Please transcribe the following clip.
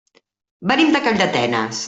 Venim de Calldetenes.